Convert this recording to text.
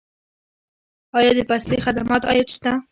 آیا د پستي خدماتو عاید شته؟